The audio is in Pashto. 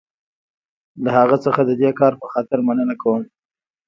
له هغه څخه د دې کار په خاطر مننه کوم.